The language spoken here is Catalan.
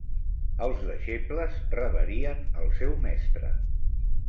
Els deixebles reverien el seu mestre.